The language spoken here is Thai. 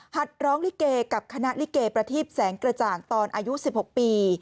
ร้องลิเกกับคณะลิเกประทีปแสงกระจ่างตอนอายุ๑๖ปี